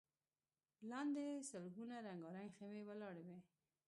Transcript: لاندې سلګونه رنګارنګ خيمې ولاړې وې.